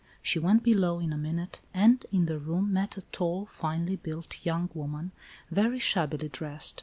She went below in a minute, and, in the room, met a tall, finely built young woman, very shab bily dressed.